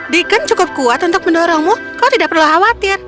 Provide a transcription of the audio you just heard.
deacon cukup kuat untuk mendorongmu kau tidak perlu khawatir